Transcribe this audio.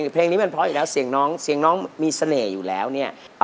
เพลงนี้มันเพราะอยู่แล้วเสียงน้องเสียงน้องมีเสน่ห์อยู่แล้วเนี่ย